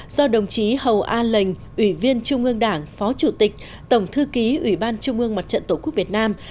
do đồng chí hầu a lệnh ủy viên trung ương đảng phó chủ tịch tổng thư ký ủy ban trung ương mặt trận tổ quốc việt nam